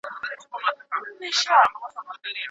مسواک د ووریو وینه دروي.